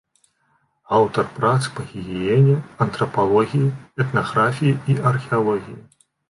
Аўтар прац па гігіене, антрапалогіі, этнаграфіі і археалогіі.